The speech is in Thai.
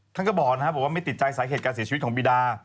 ท่านกระบ่อนบอกว่าไม่ติดใจสายเขตการเสียชีวิตของวีดา